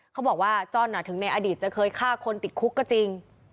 เขาบอกว่าจ้อนถึงในอดีตจะเคยฆ่าคนติดคุกก็จริง